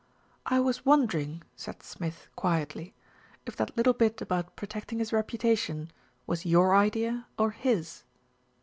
"I was wondering," said Smith quietly, "if that little bit about protecting his reputation was your idea or his."